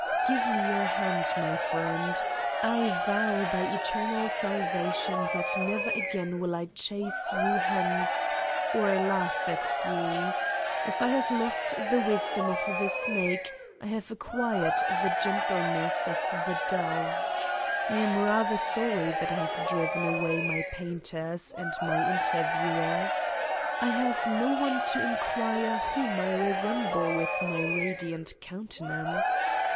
Give me your hand, my friend ! I vow by eternal salvation that never again will I chase you hence or laugh at you : if I have lost the wis dom of the snake I have acquired the gentleness of the dove. I am rather sorry that I have driven away my painters and my interviewers: I have no one to inquire whom I resemble with my radi ant countenance?